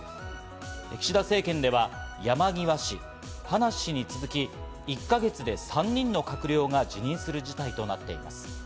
岸田政権では山際氏、葉梨氏に続き、１か月で３人の閣僚が辞任する事態となっています。